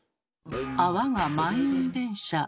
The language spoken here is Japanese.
泡が満員電車。